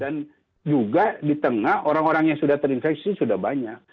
dan juga di tengah orang orang yang sudah terinfeksi sudah banyak